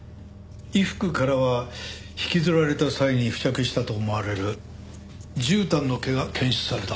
衣服からは引きずられた際に付着したと思われるじゅうたんの毛が検出された。